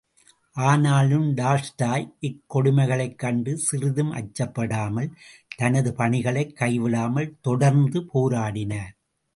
ஆனாலும், டால்ஸ்டாய் இக் கொடுமைகளைக் கண்டு சிறிதும் அச்சப்படாமல், தனது பணிகளைக் கைவிடாமல் தொடர்ந்து போராடினார்!